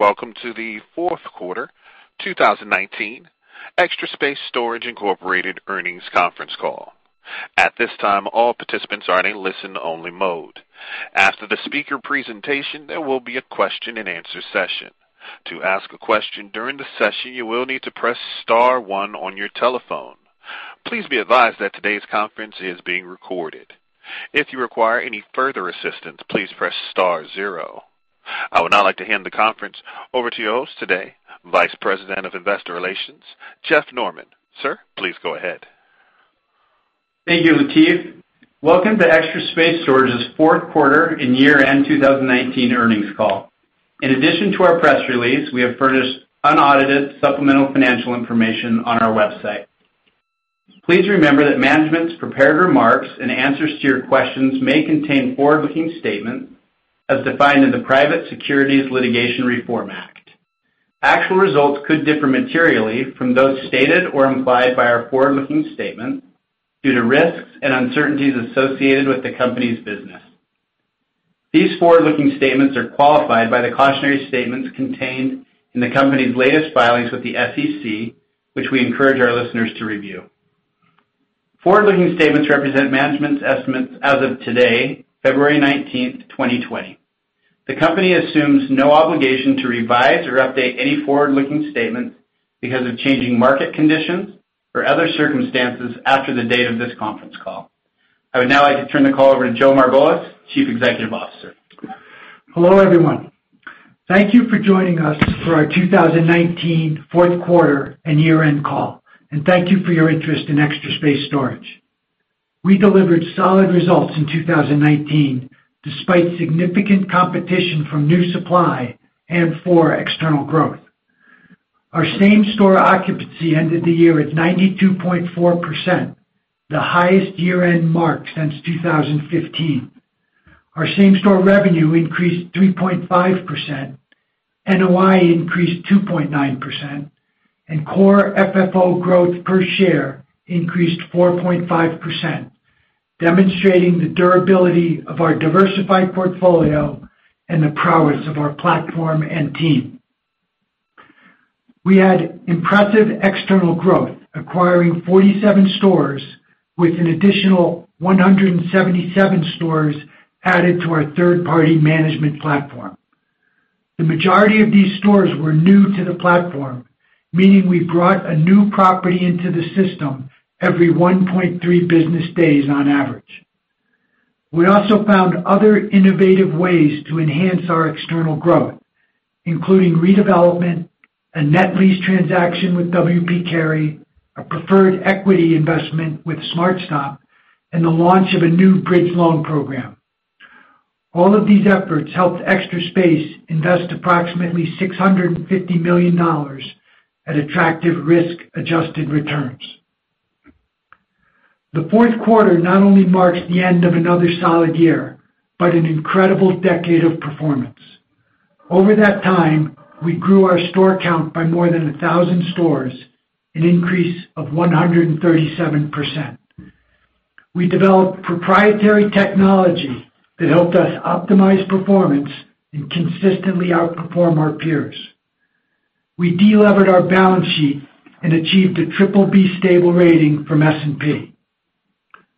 Welcome to the fourth quarter 2019 Extra Space Storage Inc earnings conference call. At this time, all participants are in a listen-only mode. After the speaker presentation, there will be a question-and-answer session. To ask a question during the session, you will need to press star one on your telephone. Please be advised that today's conference is being recorded. If you require any further assistance, please press star zero. I would now like to hand the conference over to your host today, Vice President of Investor Relations, Jeff Norman. Sir, please go ahead. Thank you, Lateef. Welcome to Extra Space Storage's fourth quarter and year-end 2019 earnings call. In addition to our press release, we have furnished unaudited supplemental financial information on our website. Please remember that management's prepared remarks and answers to your questions may contain forward-looking statements as defined in the Private Securities Litigation Reform Act. Actual results could differ materially from those stated or implied by our forward-looking statements due to risks and uncertainties associated with the company's business. These forward-looking statements are qualified by the cautionary statements contained in the company's latest filings with the SEC, which we encourage our listeners to review. Forward-looking statements represent management's estimates as of today, February 19th 2020. The company assumes no obligation to revise or update any forward-looking statements because of changing market conditions or other circumstances after the date of this conference call. I would now like to turn the call over to Joe Margolis, Chief Executive Officer. Hello, everyone. Thank you for joining us for our 2019 fourth quarter and year-end call, thank you for your interest in Extra Space Storage. We delivered solid results in 2019 despite significant competition from new supply and for external growth. Our same-store occupancy ended the year at 92.4%, the highest year-end mark since 2015. Our same-store revenue increased 3.5%, NOI increased 2.9%, core FFO growth per share increased 4.5%, demonstrating the durability of our diversified portfolio and the prowess of our platform and team. We had impressive external growth, acquiring 47 stores, with an additional 177 stores added to our third-party management platform. The majority of these stores were new to the platform, meaning we brought a new property into the system every 1.3 business days on average. We also found other innovative ways to enhance our external growth, including redevelopment, a net lease transaction with W. P. Carey, a preferred equity investment with SmartStop, and the launch of a new bridge loan program. All of these efforts helped Extra Space invest approximately $650 million at attractive risk-adjusted returns. The fourth quarter not only marks the end of another solid year but an incredible decade of performance. Over that time, we grew our store count by more than 1,000 stores, an increase of 137%. We developed proprietary technology that helped us optimize performance and consistently outperform our peers. We delevered our balance sheet and achieved a BBB stable rating from S&P.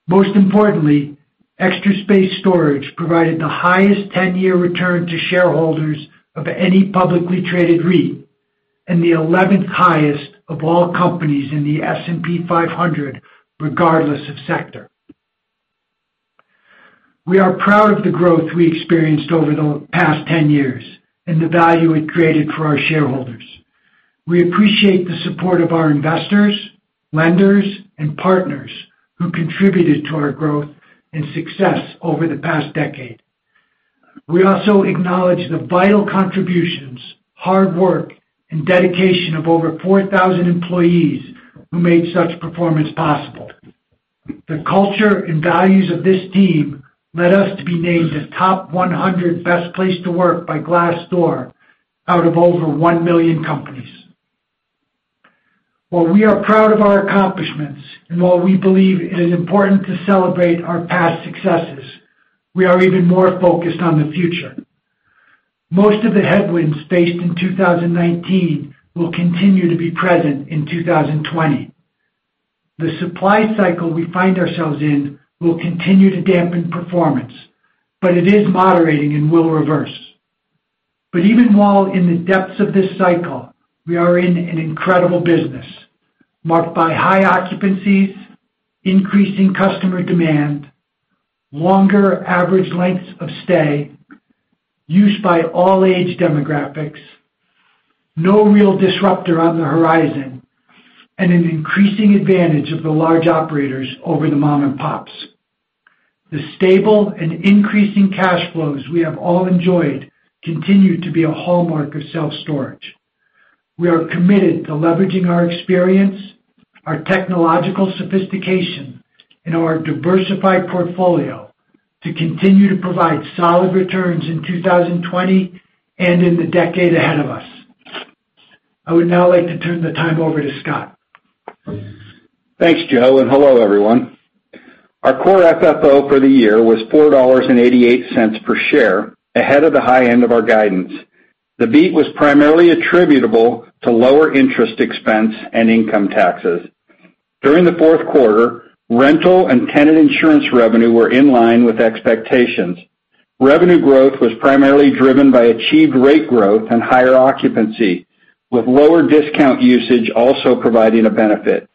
Most importantly, Extra Space Storage provided the highest 10-year return to shareholders of any publicly traded REIT and the eleventh highest of all companies in the S&P 500, regardless of sector. We are proud of the growth we experienced over the past 10 years and the value it created for our shareholders. We appreciate the support of our investors, lenders, and partners who contributed to our growth and success over the past decade. We also acknowledge the vital contributions, hard work, and dedication of over 4,000 employees who made such performance possible. The culture and values of this team led us to be named a top 100 best place to work by Glassdoor out of over 1 million companies. While we are proud of our accomplishments and while we believe it is important to celebrate our past successes, we are even more focused on the future. Most of the headwinds faced in 2019 will continue to be present in 2020. The supply cycle we find ourselves in will continue to dampen performance, but it is moderating and will reverse. Even while in the depths of this cycle, we are in an incredible business marked by high occupancies, increasing customer demand, longer average lengths of stay, use by all age demographics, no real disruptor on the horizon, and an increasing advantage of the large operators over the mom and pops. The stable and increasing cash flows we have all enjoyed continue to be a hallmark of self-storage. We are committed to leveraging our experience, our technological sophistication, and our diversified portfolio to continue to provide solid returns in 2020 and in the decade ahead of us. I would now like to turn the time over to Scott. Thanks, Joe, and hello, everyone. Our core FFO for the year was $4.88 per share, ahead of the high end of our guidance. The beat was primarily attributable to lower interest expense and income taxes. During the fourth quarter, rental and tenant insurance revenue were in line with expectations. Revenue growth was primarily driven by achieved rate growth and higher occupancy, with lower discount usage also providing a benefit.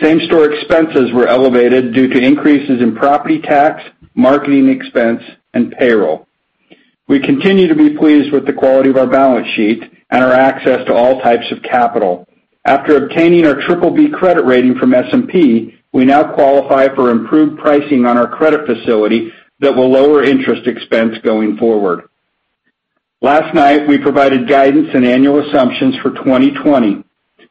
Same-store expenses were elevated due to increases in property tax, marketing expense, and payroll. We continue to be pleased with the quality of our balance sheet and our access to all types of capital. After obtaining our BBB credit rating from S&P, we now qualify for improved pricing on our credit facility that will lower interest expense going forward. Last night, we provided guidance and annual assumptions for 2020.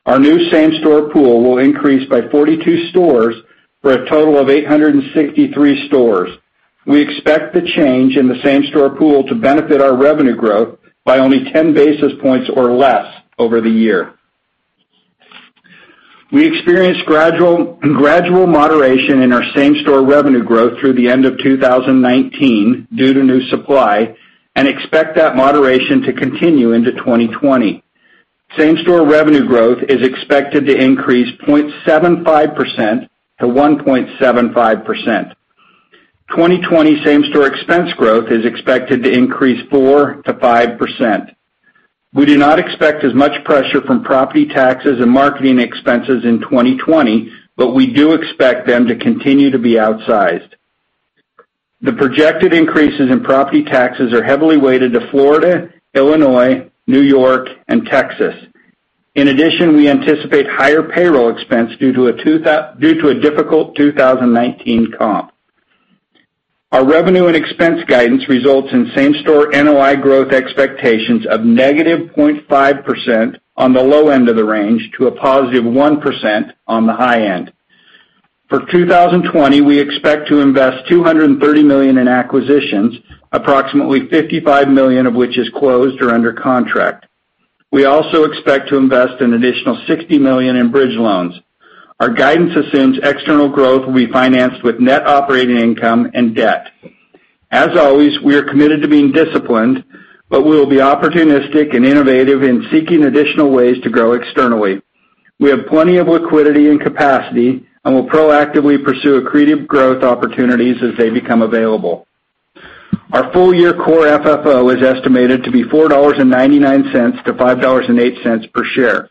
Our new same-store pool will increase by 42 stores for a total of 863 stores. We expect the change in the same-store pool to benefit our revenue growth by only 10 basis points or less over the year. We experienced gradual moderation in our same-store revenue growth through the end of 2019 due to new supply and expect that moderation to continue into 2020. Same-store revenue growth is expected to increase 0.75%-1.75%. 2020 same-store expense growth is expected to increase 4%-5%. We do not expect as much pressure from property taxes and marketing expenses in 2020, but we do expect them to continue to be outsized. The projected increases in property taxes are heavily weighted to Florida, Illinois, New York, and Texas. In addition, we anticipate higher payroll expense due to a difficult 2019 comp. Our revenue and expense guidance results in same-store NOI growth expectations of -0.5% on the low end of the range to a +1% on the high end. For 2020, we expect to invest $230 million in acquisitions, approximately $55 million of which is closed or under contract. We also expect to invest an additional $60 million in bridge loans. Our guidance assumes external growth will be financed with net operating income and debt. As always, we are committed to being disciplined, but we will be opportunistic and innovative in seeking additional ways to grow externally. We have plenty of liquidity and capacity and will proactively pursue accretive growth opportunities as they become available. Our full-year core FFO is estimated to be $4.99 to $5.08 per share.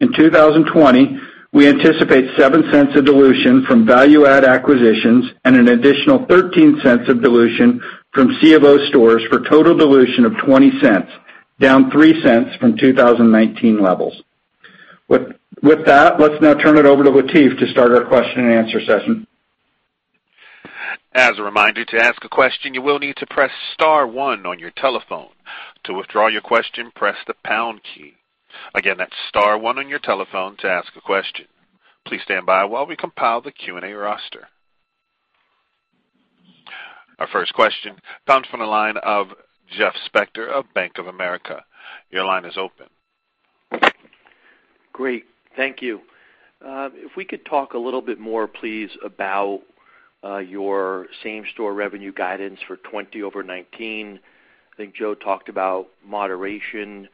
In 2020, we anticipate $0.07 of dilution from value-add acquisitions and an additional $0.13 of dilution from C of O stores for a total dilution of $0.20, down $0.03 from 2019 levels. With that, let's now turn it over to Lateef to start our question-and-answer session. As a reminder, to ask a question, you will need to press star one on your telephone. To withdraw your question, press the pound key. Again, that's star one on your telephone to ask a question. Please stand by while we compile the Q&A roster. Our first question comes from the line of Jeff Spector of Bank of America. Your line is open. Great. Thank you. If we could talk a little bit more, please, about your same-store revenue guidance for 2020 over 2019. I think Joe talked about moderation,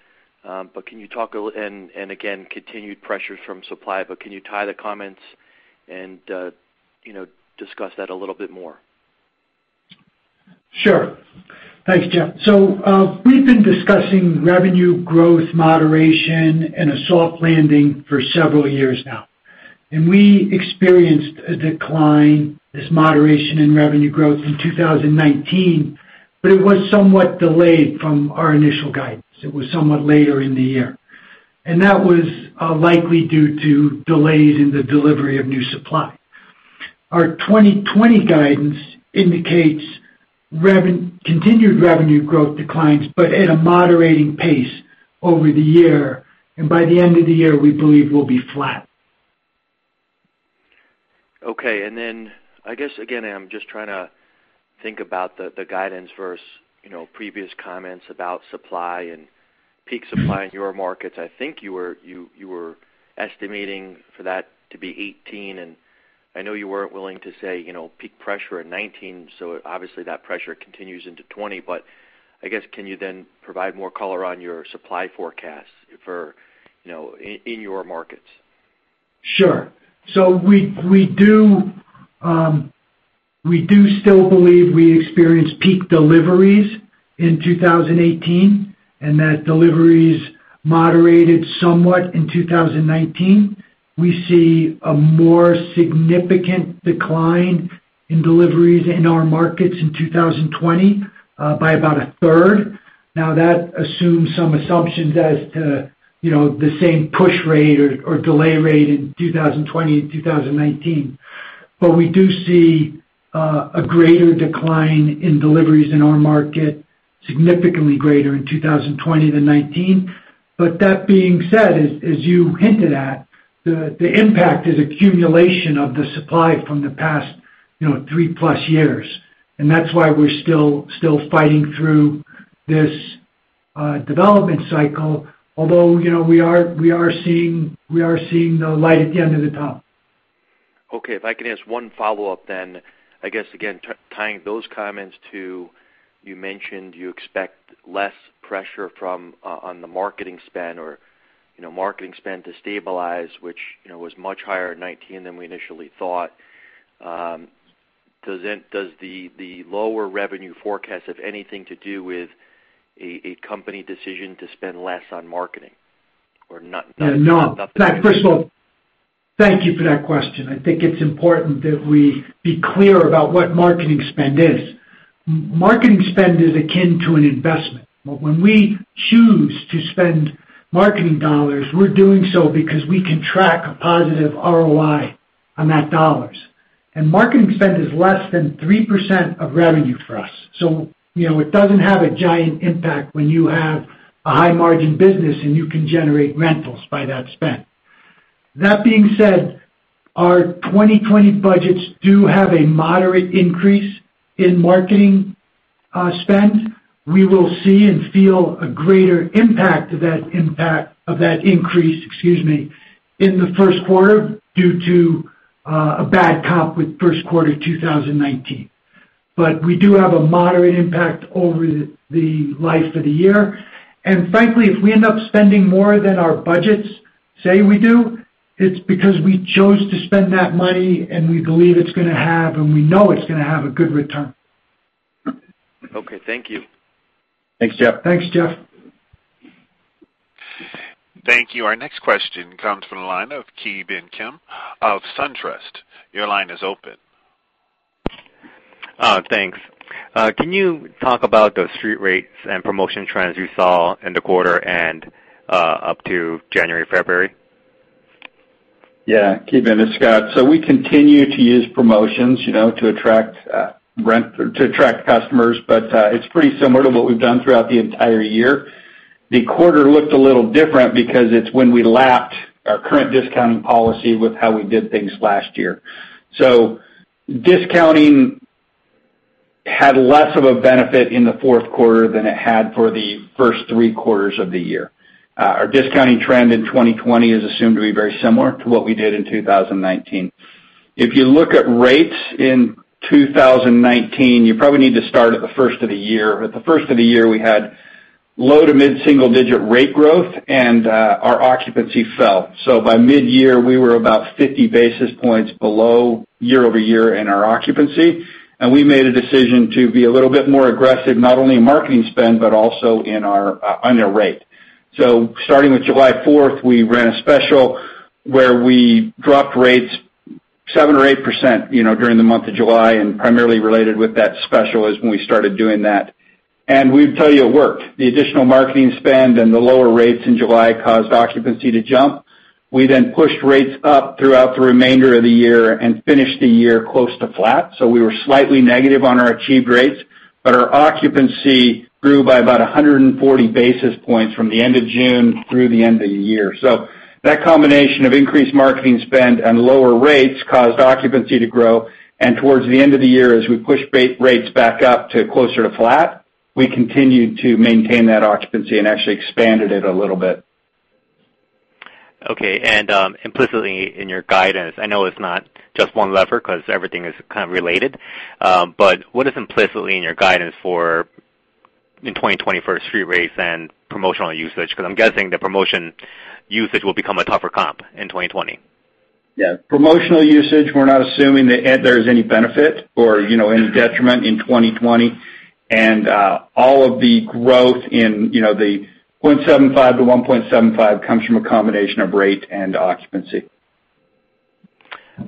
and again, continued pressures from supply. Can you tie the comments and discuss that a little bit more? Sure. Thanks, Jeff. We've been discussing revenue growth moderation and a soft landing for several years now. We experienced a decline, this moderation in revenue growth in 2019, but it was somewhat delayed from our initial guidance. It was somewhat later in the year. That was likely due to delays in the delivery of new supply. Our 2020 guidance indicates continued revenue growth declines, but at a moderating pace over the year. By the end of the year, we believe we'll be flat. Okay. I guess, again, I'm just trying to think about the guidance versus previous comments about supply and peak supply in your markets. I think you were estimating for that to be 2018, and I know you weren't willing to say peak pressure in 2019, so obviously that pressure continues into 2020. I guess, can you then provide more color on your supply forecast in your markets? Sure. We do still believe we experienced peak deliveries in 2018 and that deliveries moderated somewhat in 2019. We see a more significant decline in deliveries in our markets in 2020 by about a third. That assumes some assumptions as to the same push rate or delay rate in 2020 and 2019. We do see a greater decline in deliveries in our market, significantly greater in 2020 than 2019. That being said, as you hinted at. The impact is accumulation of the supply from the past 3+ years, and that's why we're still fighting through this development cycle, although we are seeing the light at the end of the tunnel. Okay. If I could ask one follow-up, then. I guess, again, tying those comments to, you mentioned you expect less pressure on the marketing spend or marketing spend to stabilize, which was much higher in 2019 than we initially thought. Does the lower revenue forecast have anything to do with a company decision to spend less on marketing or not? No. In fact, first of all, thank you for that question. I think it's important that we be clear about what marketing spend is. Marketing spend is akin to an investment. When we choose to spend marketing dollars, we're doing so because we can track a positive ROI on that dollars. Marketing spend is less than 3% of revenue for us. It doesn't have a giant impact when you have a high-margin business, and you can generate rentals by that spend. That being said, our 2020 budgets do have a moderate increase in marketing spend. We will see and feel a greater impact of that increase, excuse me, in the first quarter due to a bad comp with first quarter 2019. We do have a moderate impact over the life of the year. Frankly, if we end up spending more than our budgets say we do, it's because we chose to spend that money, and we believe it's going to have, and we know it's going to have a good return. Okay. Thank you. Thanks, Jeff. Thanks, Jeff. Thank you. Our next question comes from the line of Ki Bin Kim of SunTrust. Your line is open. Thanks. Can you talk about the street rates and promotion trends you saw in the quarter and up to January, February? Ki Bin, it's Scott. We continue to use promotions to attract customers, but it's pretty similar to what we've done throughout the entire year. The quarter looked a little different because it's when we lapped our current discounting policy with how we did things last year. Discounting had less of a benefit in the fourth quarter than it had for the first three quarters of the year. Our discounting trend in 2020 is assumed to be very similar to what we did in 2019. If you look at rates in 2019, you probably need to start at the first of the year. At the first of the year, we had low to mid-single-digit rate growth, and our occupancy fell. By mid-year, we were about 50 basis points below year-over-year in our occupancy, and we made a decision to be a little bit more aggressive, not only in marketing spend, but also on the rate. Starting with July 4th, we ran a special where we dropped rates 7% or 8% during the month of July, and primarily related with that special is when we started doing that. We'd tell you it worked. The additional marketing spend and the lower rates in July caused occupancy to jump. We pushed rates up throughout the remainder of the year and finished the year close to flat. We were slightly negative on our achieved rates, but our occupancy grew by about 140 basis points from the end of June through the end of the year. That combination of increased marketing spend and lower rates caused occupancy to grow, and towards the end of the year, as we pushed rates back up to closer to flat, we continued to maintain that occupancy and actually expanded it a little bit. Okay. Implicitly in your guidance, I know it's not just one lever because everything is kind of related. What is implicitly in your guidance for in 2020 for street rates and promotional usage? Because I'm guessing the promotion usage will become a tougher comp in 2020. Yeah. Promotional usage, we're not assuming that there's any benefit or any detriment in 2020. All of the growth in the 0.75%-1.75% comes from a combination of rate and occupancy.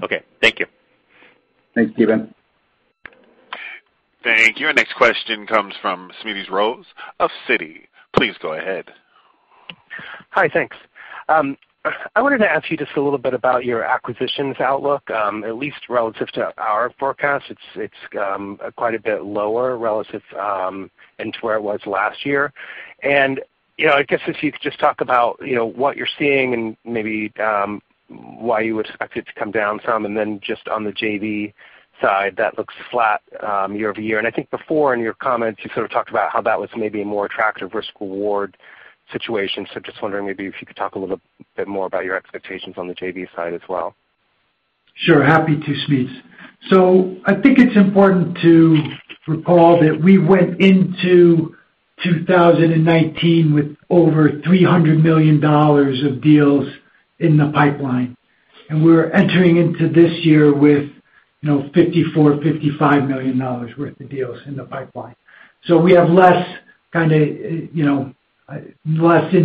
Okay. Thank you. Thanks, Ki Bin. Thank you. Our next question comes from Smedes Rose of Citi. Please go ahead. Hi, thanks. I wanted to ask you just a little bit about your acquisitions outlook, at least relative to our forecast. It's quite a bit lower relative into where it was last year. I guess if you could just talk about what you're seeing and maybe why you would expect it to come down some, and then just on the JV side, that looks flat year-over-year. I think before in your comments, you sort of talked about how that was maybe a more attractive risk/reward situation. Just wondering maybe if you could talk a little bit more about your expectations on the JV side as well. Sure. Happy to, Smedes. I think it's important to recall that we went into 2019 with over $300 million of deals in the pipeline, and we're entering into this year with $54 million, $55 million worth of deals in the pipeline. We have less in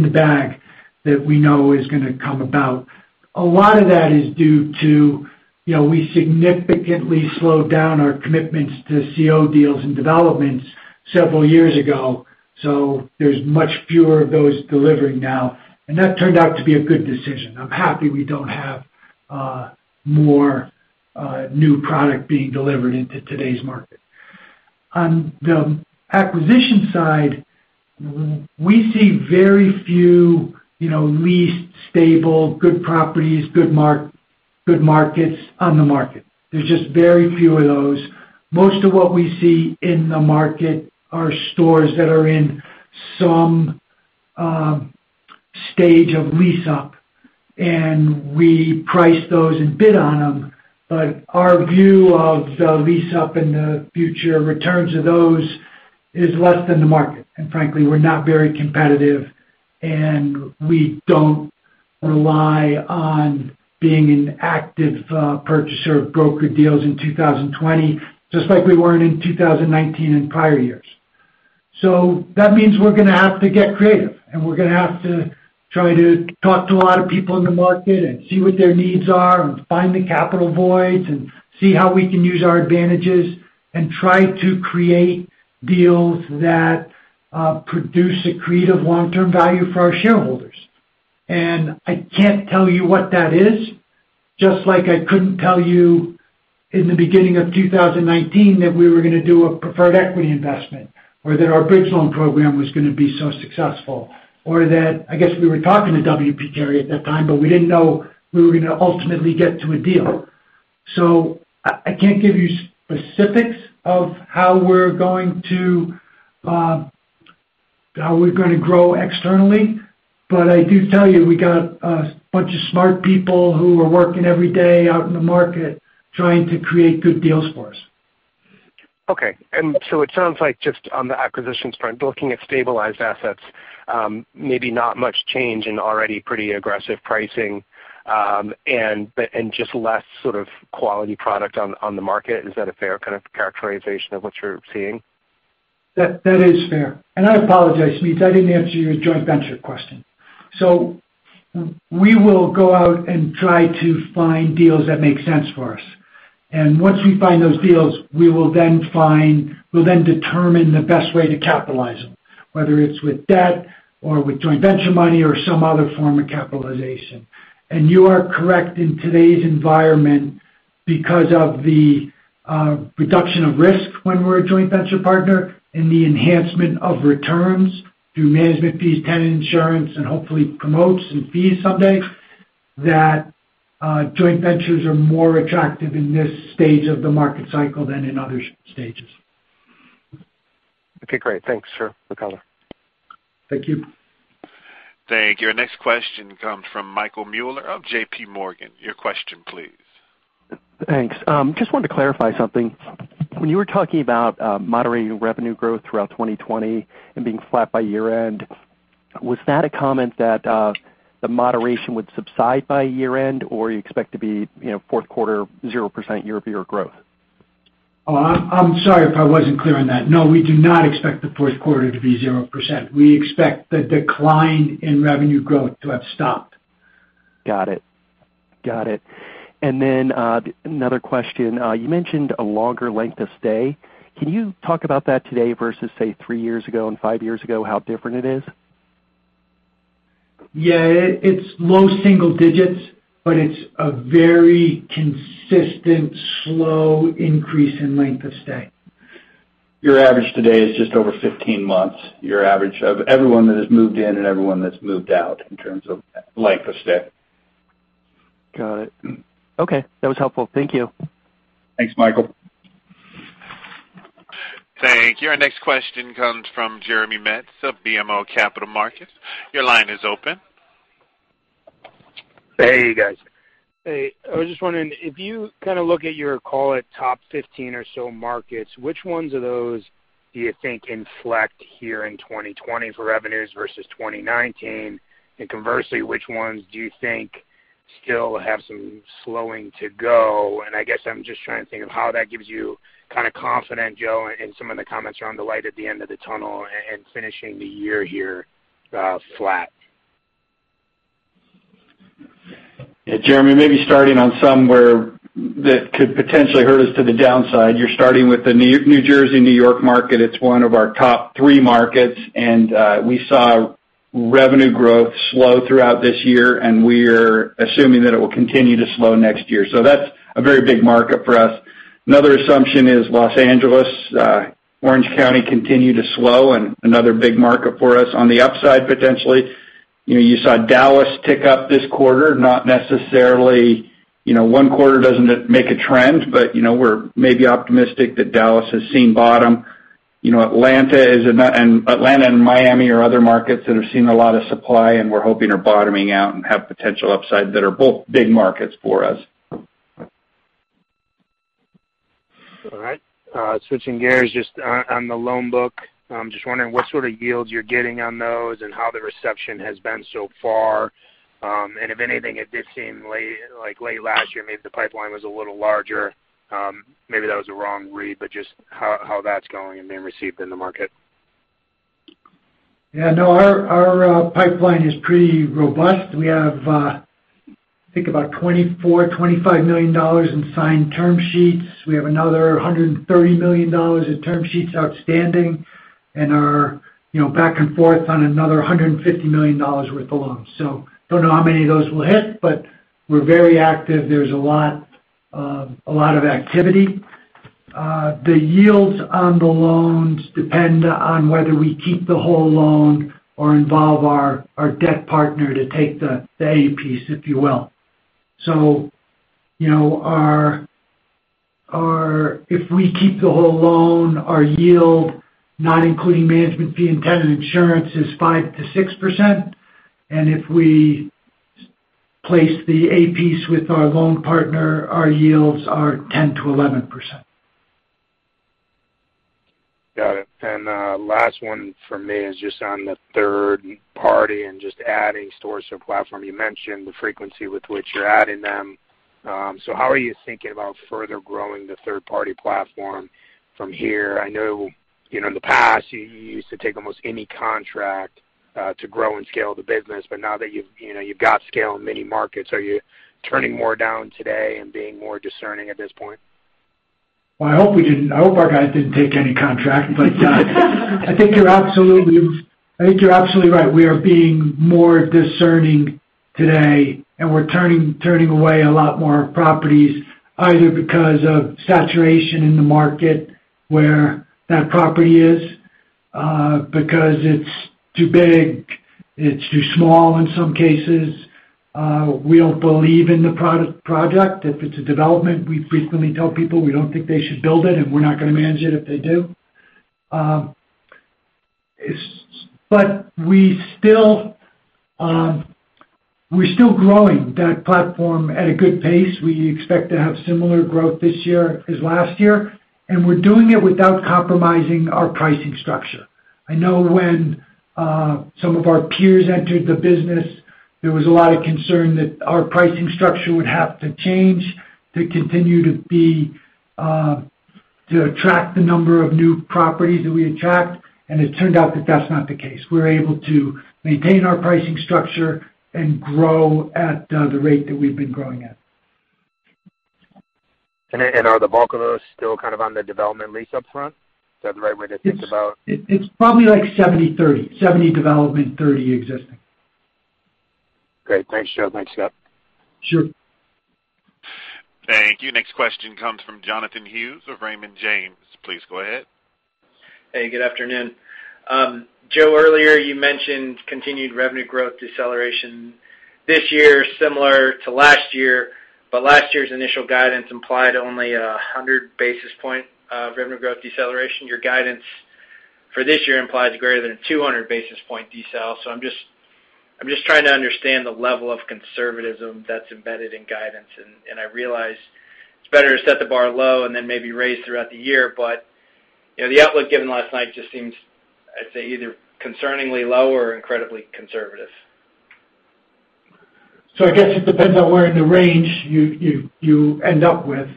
the bag that we know is going to come about. A lot of that is due to, we significantly slowed down our commitments to C of O deals and developments several years ago. There's much fewer of those delivering now, and that turned out to be a good decision. I'm happy we don't have more new product being delivered into today's market. On the acquisition side, we see very few leased, stable, good properties, good markets on the market. There's just very few of those. Most of what we see in the market are stores that are in some stage of lease-up, and we price those and bid on them. Our view of the lease-up and the future returns of those is less than the market. Frankly, we're not very competitive, and we don't rely on being an active purchaser of brokered deals in 2020, just like we weren't in 2019 and prior years. That means we're going to have to get creative, and we're going to have to try to talk to a lot of people in the market and see what their needs are and find the capital voids and see how we can use our advantages and try to create deals that produce accretive long-term value for our shareholders. I can't tell you what that is, just like I couldn't tell you in the beginning of 2019 that we were going to do a preferred equity investment, or that our bridge loan program was going to be so successful, or that, I guess, we were talking to W. P. Carey at that time, but we didn't know we were going to ultimately get to a deal. I can't give you specifics of how we're going to grow externally, but I do tell you, we got a bunch of smart people who are working every day out in the market trying to create good deals for us. Okay. It sounds like just on the acquisitions front, looking at stabilized assets, maybe not much change in already pretty aggressive pricing, and just less sort of quality product on the market. Is that a fair kind of characterization of what you're seeing? That is fair. I apologize, Smedes, I didn't answer your joint venture question. We will go out and try to find deals that make sense for us. Once we find those deals, we'll then determine the best way to capitalize them, whether it's with debt or with joint venture money or some other form of capitalization. You are correct in today's environment because of the reduction of risk when we're a joint venture partner and the enhancement of returns through management fees, tenant insurance, and hopefully promotes and fees someday, that joint ventures are more attractive in this stage of the market cycle than in other stages. Okay, great. Thanks for the color. Thank you. Thank you. Our next question comes from Michael Mueller of JPMorgan. Your question, please. Thanks. Just wanted to clarify something. When you were talking about moderating revenue growth throughout 2020 and being flat by year-end, was that a comment that the moderation would subside by year-end, or you expect to be fourth quarter 0% year-over-year growth? Oh, I'm sorry if I wasn't clear on that. No, we do not expect the fourth quarter to be 0%. We expect the decline in revenue growth to have stopped. Got it. Another question. You mentioned a longer length of stay. Can you talk about that today versus, say, three years ago and five years ago, how different it is? Yeah, it's low single digits, but it's a very consistent, slow increase in length of stay. Your average today is just over 15 months. Your average of everyone that has moved in and everyone that's moved out in terms of length of stay. Got it. Okay, that was helpful. Thank you. Thanks, Michael. Thank you. Our next question comes from Jeremy Metz of BMO Capital Markets. Your line is open. Hey, you guys. Hey, I was just wondering, if you kind of look at your, call it, top 15 or so markets, which ones of those do you think inflect here in 2020 for revenues versus 2019? Conversely, which ones do you think still have some slowing to go? I guess I'm just trying to think of how that gives you kind of confidence, Joe, in some of the comments around the light at the end of the tunnel and finishing the year here flat. Yeah, Jeremy, maybe starting on somewhere that could potentially hurt us to the downside. You're starting with the New Jersey, New York market. It's one of our top three markets, and we saw revenue growth slow throughout this year, and we're assuming that it will continue to slow next year. That's a very big market for us. Another assumption is Los Angeles, Orange County continued to slow and another big market for us. On the upside, potentially, you saw Dallas tick up this quarter, not necessarily, one quarter doesn't make a trend, but we're maybe optimistic that Dallas has seen bottom. Atlanta and Miami are other markets that have seen a lot of supply, and we're hoping are bottoming out and have potential upside that are both big markets for us. All right. Switching gears, just on the loan book, I'm just wondering what sort of yields you're getting on those and how the reception has been so far. If anything, it did seem like late last year, maybe the pipeline was a little larger. Maybe that was a wrong read, but just how that's going and being received in the market. Yeah, no, our pipeline is pretty robust. We have, I think, about $24 million, $25 million in signed term sheets. We have another $130 million in term sheets outstanding. Are back and forth on another $150 million worth of loans. Don't know how many of those will hit, but we're very active. There's a lot of activity. The yields on the loans depend on whether we keep the whole loan or involve our debt partner to take the A piece, if you will. If we keep the whole loan, our yield, not including management fee and tenant insurance, is 5%-6%. If we place the A piece with our loan partner, our yields are 10%-11%. Got it. Last one from me is just on the third-party and just adding storage to the platform. You mentioned the frequency with which you're adding them. How are you thinking about further growing the third-party platform from here? I know, in the past, you used to take almost any contract to grow and scale the business, but now that you've got scale in many markets, are you turning more down today and being more discerning at this point? Well, I hope our guys didn't take any contract. I think you're absolutely right. We are being more discerning today, and we're turning away a lot more properties, either because of saturation in the market where that property is, because it's too big, it's too small in some cases. We don't believe in the project. If it's a development, we frequently tell people we don't think they should build it, and we're not going to manage it if they do. We're still growing that platform at a good pace. We expect to have similar growth this year as last year, and we're doing it without compromising our pricing structure. I know when some of our peers entered the business, there was a lot of concern that our pricing structure would have to change to continue to attract the number of new properties that we attract, and it turned out that that's not the case. We're able to maintain our pricing structure and grow at the rate that we've been growing at. Are the bulk of those still kind of on the development lease up front? Is that the right way to think about? It's probably like 70-30, 70 development, 30 existing. Great. Thanks, Joe. Thanks, Scott. Sure. Thank you. Next question comes from Jonathan Hughes of Raymond James. Please go ahead. Hey, good afternoon. Joe, earlier you mentioned continued revenue growth deceleration this year, similar to last year, but last year's initial guidance implied only 100 basis points of revenue growth deceleration. Your guidance for this year implies greater than a 200 basis points decel. I'm just trying to understand the level of conservatism that's embedded in guidance. I realize it's better to set the bar low and then maybe raise throughout the year, but the outlook given last night just seems, I'd say, either concerningly low or incredibly conservative. I guess it depends on where in the range you end up with.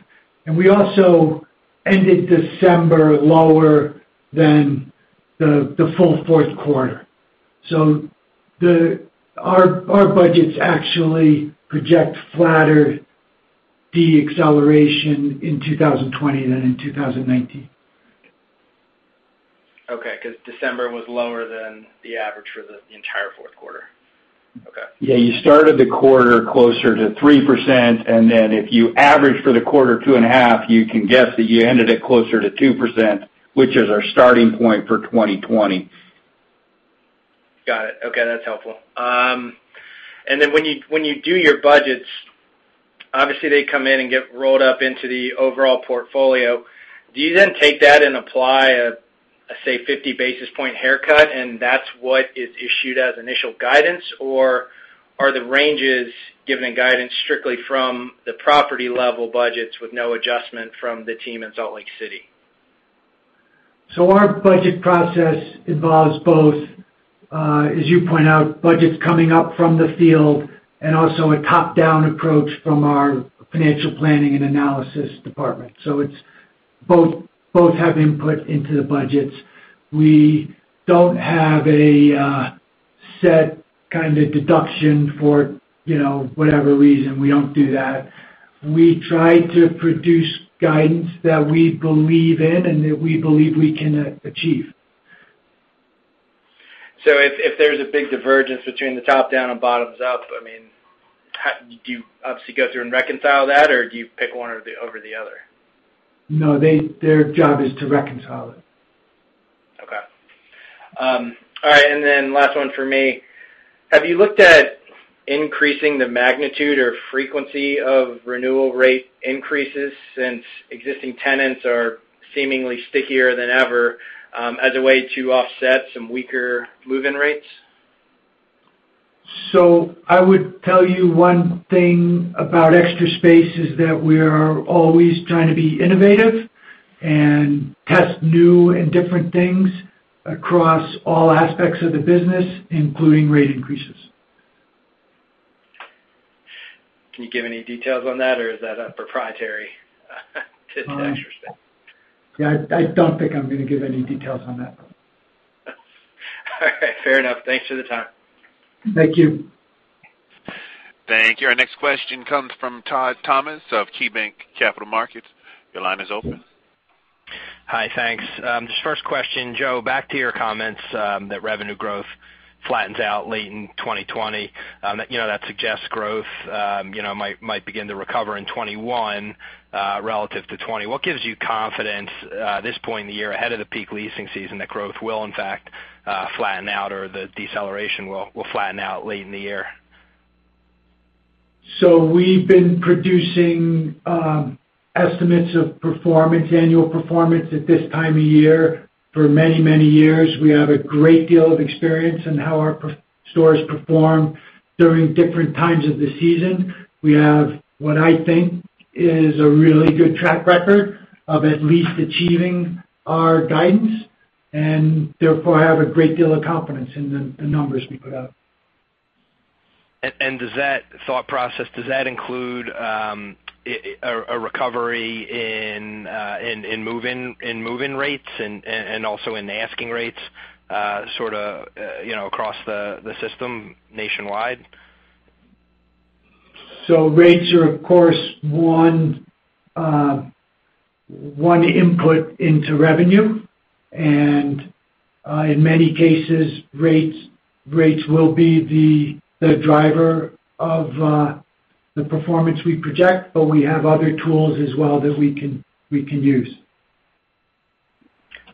We also ended December lower than the full fourth quarter. Our budgets actually project flatter deceleration in 2020 than in 2019. Okay. December was lower than the average for the entire fourth quarter. Okay. Yeah. You started the quarter closer to 3%, and then if you average for the quarter two and a half, you can guess that you ended it closer to 2%, which is our starting point for 2020. Got it. Okay. That's helpful. Then when you do your budgets, obviously they come in and get rolled up into the overall portfolio. Do you then take that and apply a, say, 50 basis point haircut, and that's what is issued as initial guidance, or are the ranges given in guidance strictly from the property-level budgets with no adjustment from the team in Salt Lake City? Our budget process involves both, as you point out, budgets coming up from the field and also a top-down approach from our financial planning and analysis department. It's both have input into the budgets. We don't have a set kind of deduction for whatever reason. We don't do that. We try to produce guidance that we believe in and that we believe we can achieve. If there's a big divergence between the top-down and bottoms-up, do you obviously go through and reconcile that, or do you pick one over the other? No, their job is to reconcile it. Okay. All right, last one for me. Have you looked at increasing the magnitude or frequency of renewal rate increases since existing tenants are seemingly stickier than ever, as a way to offset some weaker move-in rates? I would tell you one thing about Extra Space is that we are always trying to be innovative and test new and different things across all aspects of the business, including rate increases. Can you give any details on that, or is that a proprietary tip to Extra Space? Yeah, I don't think I'm going to give any details on that. Okay, fair enough. Thanks for the time. Thank you. Thank you. Our next question comes from Todd Thomas of KeyBanc Capital Markets. Your line is open. Hi, thanks. Just first question, Joe, back to your comments that revenue growth flattens out late in 2020. That suggests growth might begin to recover in 2021, relative to 2020. What gives you confidence at this point in the year ahead of the peak leasing season that growth will in fact flatten out or the deceleration will flatten out late in the year? We've been producing estimates of annual performance at this time of year for many, many years. We have a great deal of experience in how our stores perform during different times of the season. We have what I think is a really good track record of at least achieving our guidance, and therefore have a great deal of confidence in the numbers we put out. Does that thought process include a recovery in move-in rates and also in asking rates across the system nationwide? Rates are of course, one input into revenue, and in many cases, rates will be the driver of the performance we project, but we have other tools as well that we can use.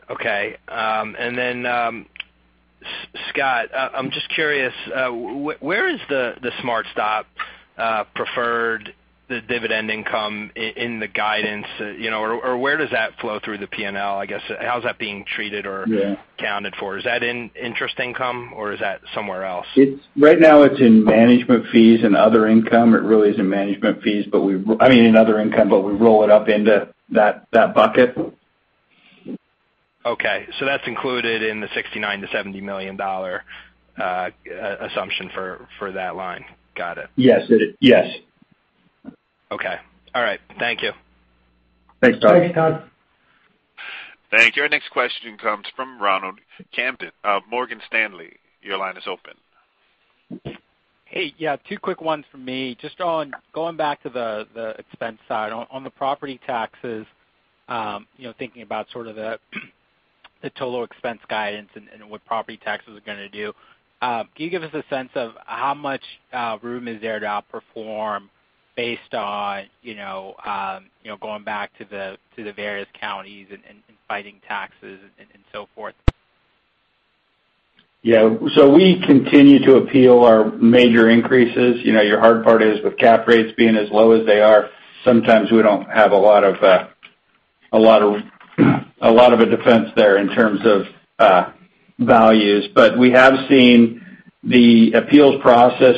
Okay. Scott, I'm just curious, where is the SmartStop preferred dividend income in the guidance? Where does that flow through the P&L, I guess? How's that being treated? Yeah accounted for? Is that in interest income or is that somewhere else? Right now it's in management fees and other income. It really is in management fees, I mean in other income, but we roll it up into that bucket. Okay. That's included in the $69 million-$70 million assumption for that line. Got it. Yes. Okay. All right. Thank you. Thanks, Todd. Thanks, Todd. Thank you. Our next question comes from Ronald Kamdem of Morgan Stanley. Your line is open. Hey. Yeah, two quick ones from me. Just going back to the expense side. On the property taxes, thinking about sort of the total expense guidance and what property taxes are gonna do, can you give us a sense of how much room is there to outperform based on going back to the various counties and fighting taxes and so forth? Yeah. We continue to appeal our major increases. Your hard part is with cap rates being as low as they are, sometimes we don't have a lot of a defense there in terms of values. We have seen the appeals process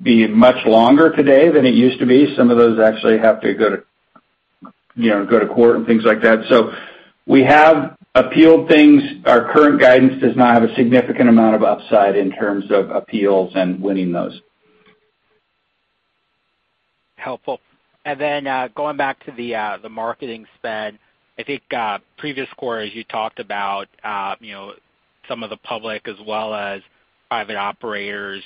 be much longer today than it used to be. Some of those actually have to go to court and things like that. We have appealed things. Our current guidance does not have a significant amount of upside in terms of appeals and winning those. Helpful. Going back to the marketing spend, I think previous quarters you talked about some of the public as well as private operators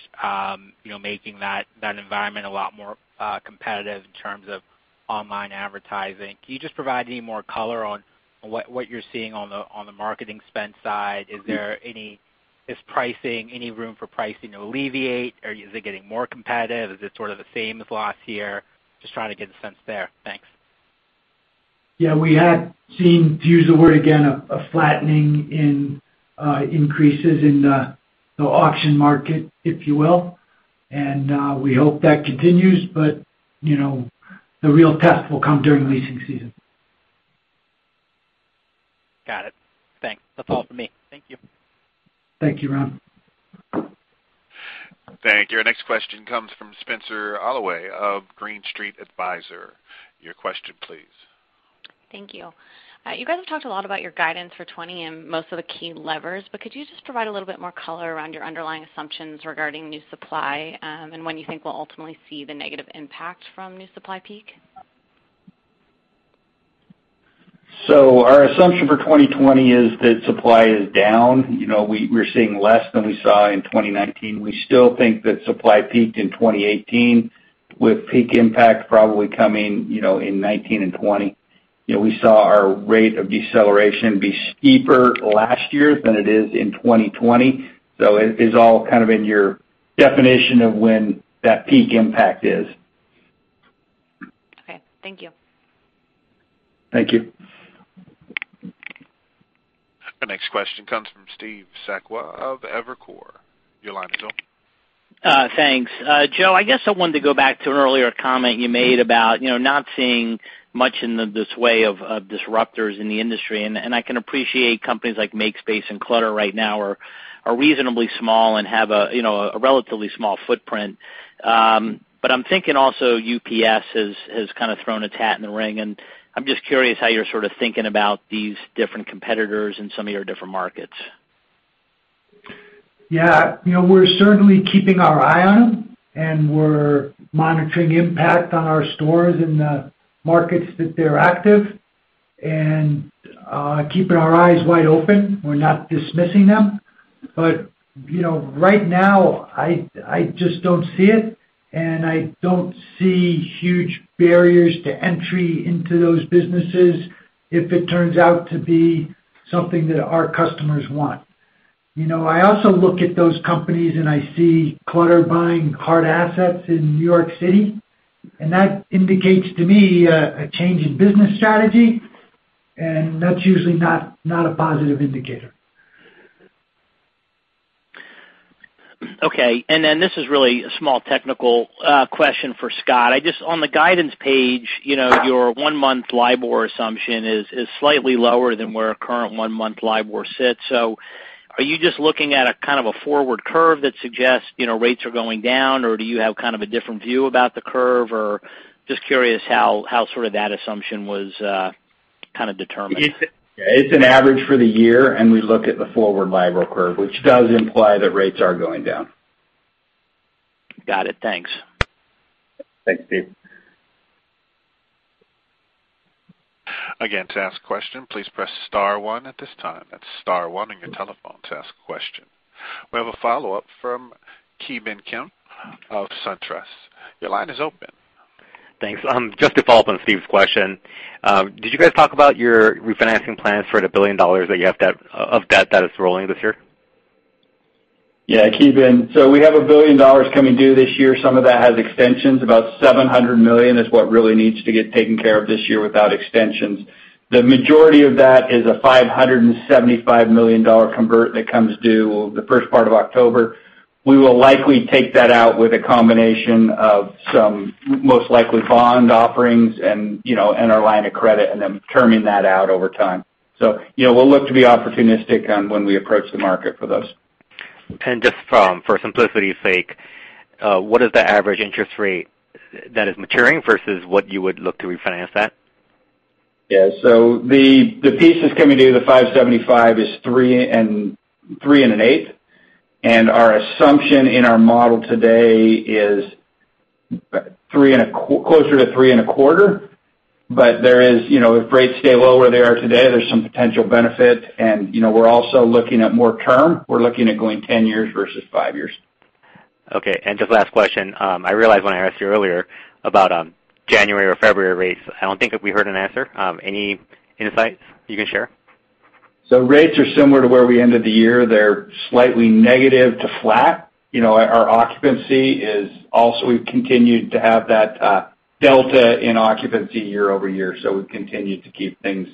making that environment a lot more competitive in terms of online advertising. Can you just provide any more color on what you're seeing on the marketing spend side? Is there any room for pricing to alleviate, or is it getting more competitive? Is it sort of the same as last year? Just trying to get a sense there. Thanks. Yeah. We had seen, to use the word again, a flattening in increases in the auction market, if you will, and we hope that continues, but the real test will come during leasing season. Got it. Thanks. That's all from me. Thank you. Thank you, Ronald. Thank you. Our next question comes from Spenser Allaway of Green Street Advisors. Your question please. Thank you. You guys have talked a lot about your guidance for 2020 and most of the key levers, but could you just provide a little bit more color around your underlying assumptions regarding new supply, and when you think we'll ultimately see the negative impact from new supply peak? Our assumption for 2020 is that supply is down. We're seeing less than we saw in 2019. We still think that supply peaked in 2018, with peak impact probably coming in 2019 and 2020. We saw our rate of deceleration be steeper last year than it is in 2020. It is all kind of in your definition of when that peak impact is. Okay. Thank you. Thank you. Our next question comes from Steve Sakwa of Evercore. Your line is open. Thanks. Joe, I guess I wanted to go back to an earlier comment you made about not seeing much in this way of disruptors in the industry, and I can appreciate companies like MakeSpace and Clutter right now are reasonably small and have a relatively small footprint. I'm thinking also UPS has kind of thrown a hat in the ring, and I'm just curious how you're sort of thinking about these different competitors in some of your different markets. Yeah. We're certainly keeping our eye on them, and we're monitoring impact on our stores in the markets that they're active. Keeping our eyes wide open. We're not dismissing them. Right now I just don't see it, and I don't see huge barriers to entry into those businesses if it turns out to be something that our customers want. I also look at those companies, and I see Clutter buying hard assets in New York City, and that indicates to me a change in business strategy, and that's usually not a positive indicator. Okay. This is really a small technical question for Scott. On the guidance page, your one-month LIBOR assumption is slightly lower than where our current one-month LIBOR sits. Are you just looking at a kind of a forward curve that suggests rates are going down, or do you have kind of a different view about the curve, or just curious how sort of that assumption was kind of determined. It's an average for the year, and we look at the forward LIBOR curve, which does imply that rates are going down. Got it. Thanks. Thanks, Steve. To ask a question, please press star one at this time. That's star one on your telephone to ask a question. We have a follow-up from Ki Bin Kim of SunTrust. Your line is open. Thanks. Just to follow up on Steve's question, did you guys talk about your refinancing plans for the $1 billion of debt that is rolling this year? Yeah, Ki Bin. We have $1 billion coming due this year. Some of that has extensions. About $700 million is what really needs to get taken care of this year without extensions. The majority of that is a $575 million convert that comes due the first part of October. We will likely take that out with a combination of some most likely bond offerings and our line of credit, and then terming that out over time. We'll look to be opportunistic on when we approach the market for those. Just for simplicity's sake, what is the average interest rate that is maturing versus what you would look to refinance at? Yeah. The piece that's coming due, the $575 is 3.125%, and our assumption in our model today is closer to 3.25%. If rates stay low where they are today, there's some potential benefit, and we're also looking at more term. We're looking at going 10 years versus five years. Okay. Just last question. I realized when I asked you earlier about January or February rates, I don't think that we heard an answer. Any insights you can share? Rates are similar to where we ended the year. They're slightly negative to flat. Our occupancy is also, we've continued to have that delta in occupancy year-over-year. We've continued to keep things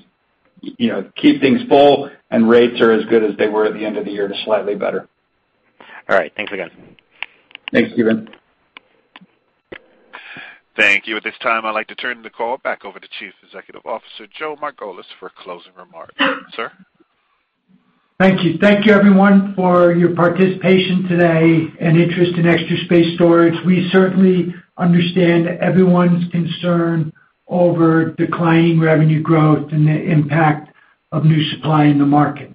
full, and rates are as good as they were at the end of the year to slightly better. All right. Thanks again. Thanks, Ki Bin. Thank you. At this time, I'd like to turn the call back over to Chief Executive Officer Joe Margolis for closing remarks. Sir? Thank you. Thank you everyone for your participation today and interest in Extra Space Storage. We certainly understand everyone's concern over declining revenue growth and the impact of new supply in the market.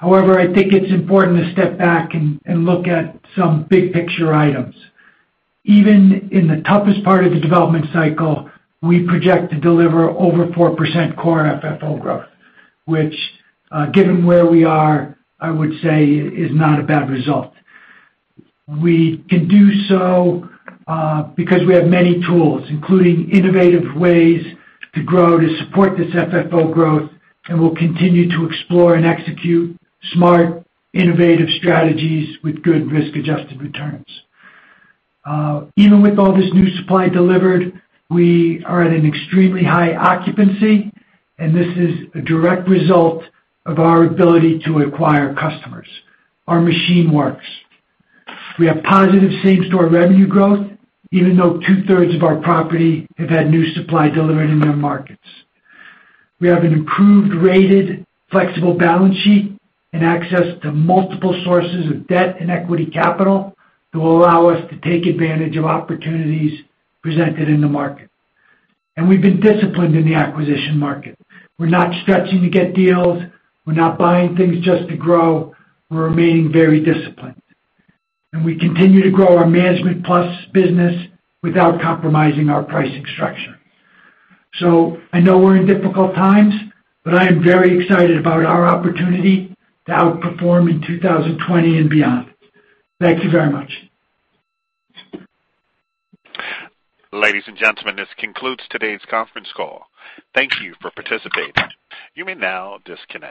I think it's important to step back and look at some big-picture items. Even in the toughest part of the development cycle, we project to deliver over 4% core FFO growth, which, given where we are, I would say is not a bad result. We can do so because we have many tools, including innovative ways to grow to support this FFO growth, and we'll continue to explore and execute smart, innovative strategies with good risk-adjusted returns. Even with all this new supply delivered, we are at an extremely high occupancy, and this is a direct result of our ability to acquire customers. Our machine works. We have positive same-store revenue growth, even though two-thirds of our property have had new supply delivered in their markets. We have an improved, rated, flexible balance sheet and access to multiple sources of debt and equity capital that will allow us to take advantage of opportunities presented in the market. We've been disciplined in the acquisition market. We're not stretching to get deals. We're not buying things just to grow. We're remaining very disciplined. We continue to grow our ManagementPlus business without compromising our pricing structure. I know we're in difficult times, but I am very excited about our opportunity to outperform in 2020 and beyond. Thank you very much. Ladies and gentlemen, this concludes today's conference call. Thank you for participating. You may now disconnect.